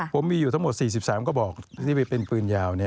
ผมมีอยู่ทั้งหมด๔๓กระบอกที่ไปเป็นปืนยาว